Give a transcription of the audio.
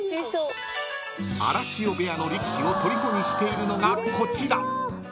［荒汐部屋の力士をとりこにしているのがこちら］